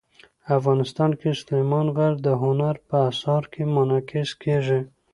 افغانستان کې سلیمان غر د هنر په اثار کې منعکس کېږي.